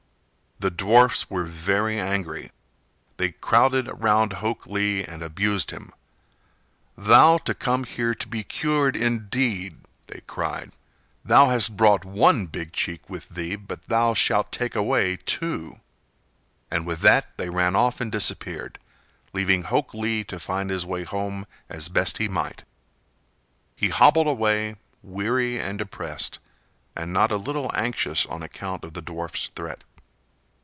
The dwarfs were very angry. They crowded round Hok Lee and abused him. "Thou to come here to be cured, indeed!" they cried. "Thou hast brought one big cheek with thee, but thou shalt take away two." And with that they ran off and disappeared, leaving Hok Lee to find his way home as best he might. He hobbled away, weary and depressed, and not a little anxious on account of the dwarfs' threat.